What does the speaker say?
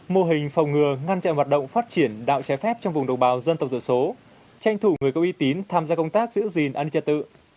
mô hình phòng ngừa ngăn chặn hoạt động phát triển đạo trái phép trong vùng đồng bào dân tộc thiểu số tranh thủ người có uy tín tham gia công tác giữ gìn an ninh trật tự